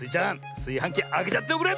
すいはんきあけちゃっておくれ！